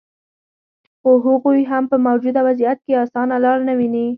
خو هغوي هم په موجوده وضعیت کې اسانه لار نه ویني